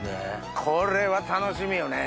これは楽しみよね。